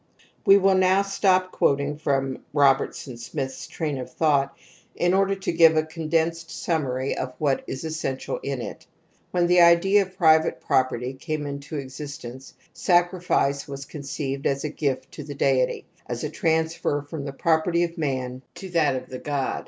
We will now stop quoting from Robertson Smith's train of thought in order to give a condensed summary of what is essential in it. When the idea of private property came into existence sacrifice was conceived as a gift to the deity, as(^transfer from the property of man ^ to that of the god.